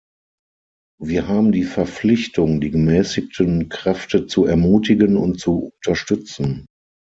Wir haben die Verpflichtung, die gemäßigten Kräfte zu ermutigen und zu unterstützen.